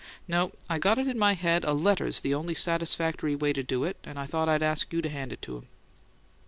No; I got it in my head a letter's the only satisfactory way to do it, and I thought I'd ask you to hand it to him."